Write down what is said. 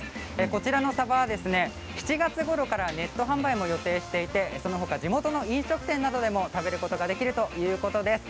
こちらのサバは７月ごろからネット販売も予定していてそのほか地元の飲食店でも食べることができるということです。。